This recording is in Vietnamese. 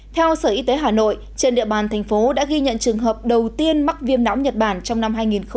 theo sở y tế hà nội trên địa bàn thành phố đã ghi nhận trường hợp đầu tiên mắc viêm não nhật bản trong năm hai nghìn một mươi chín